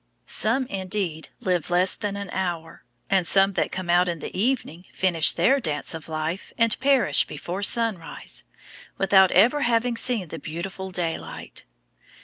Some, indeed, live less than an hour, and some, that come out in the evening, finish their dance of life and perish before sunrise, without ever having seen the beautiful daylight.